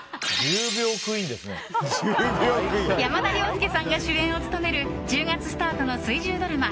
山田涼介さんが主演を務める１０月スタートの水１０ドラマ